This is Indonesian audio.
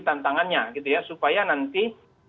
tantangannya supaya nanti